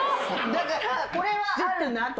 だからこれはあるなと。